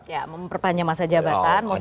ya memperpanjang masa jabatan mau sama siapa aja